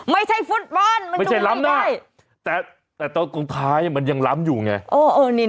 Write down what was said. ฟุตบอลไม่ใช่ล้ำได้แต่ตอนตรงท้ายมันยังล้ำอยู่ไง